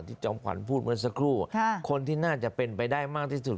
จอมขวัญพูดเมื่อสักครู่คนที่น่าจะเป็นไปได้มากที่สุด